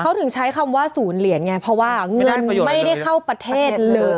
เขาถึงใช้คำว่าศูนย์เหรียญไงเพราะว่าเงินไม่ได้เข้าประเทศเลย